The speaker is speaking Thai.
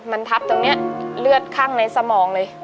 มันเทาะตรงเนี้ยเหลือขั้งในสมองเลย